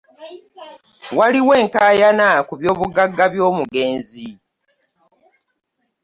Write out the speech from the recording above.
Waliwo enkayana ku by'obuggaga by'omugenzi.